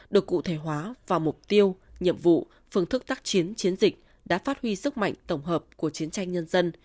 được cụ thể hóa vào mục tiêu nhiệm vụ phương thức tác chiến chiến dịch đã phát huy sức mạnh tổng hợp của chiến tranh nhân dân